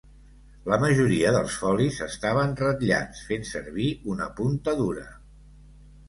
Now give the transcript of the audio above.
La majoria dels folis estaven ratllats fent servir una punta dura.